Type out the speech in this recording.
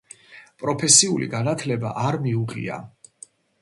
პროფესიული განათლება არ მიუღია.